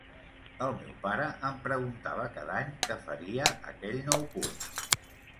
El meu pare em preguntava cada any què faria aquell nou curs.